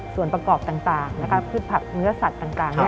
ส่วนประกอบต่างพืชผักเนื้อสัตว์ต่าง